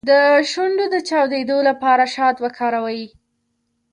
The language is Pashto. د شونډو د چاودیدو لپاره شات وکاروئ